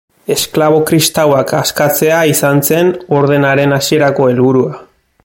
Esklabo kristauak askatzea izan zen ordenaren hasierako helburua.